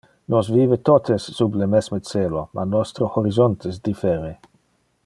Nos vive totes sub le mesme celo, ma nostre horizontes differe.